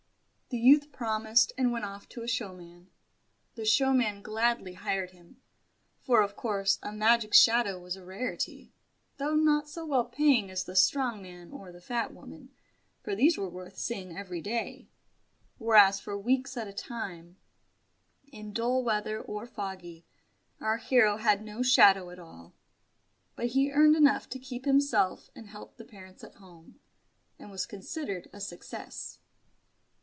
The youth promised, and went off to a showman. The showman gladly hired him; for, of course, a magic shadow was a rarity, though not so well paying as the Strong Man or the Fat Woman, for these were worth seeing every day, whereas for weeks at a time, in dull weather or foggy, our hero had no shadow at all. But he earned enough to keep himself and help the parents at home; and was considered a success.